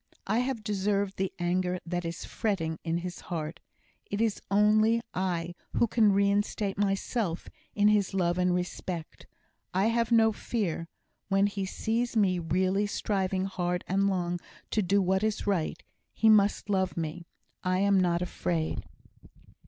"I have deserved the anger that is fretting in his heart. It is only I who can reinstate myself in his love and respect. I have no fear. When he sees me really striving hard and long to do what is right, he must love me. I am not afraid."